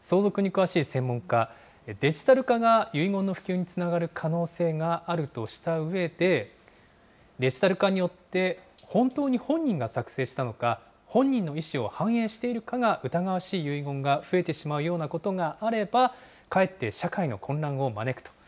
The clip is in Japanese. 相続に詳しい専門家、デジタル化が遺言の普及につながる可能性があるとしたうえで、デジタル化によって、本当に本人が作成したのか、本人の意思を反映しているかが疑わしい遺言が増えてしまうようなことがあれば、かえって社会の混乱を招くと。